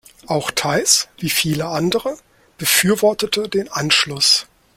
Auch Theiss, wie viele andere, befürwortete den „Anschluss“.